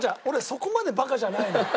そこまでバカじゃないのよ。